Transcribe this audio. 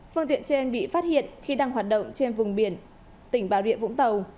phương tiện trên bị phát hiện khi đang hoạt động trên vùng biển tỉnh bà rịa vũng tàu